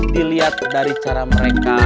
diliat dari cara mereka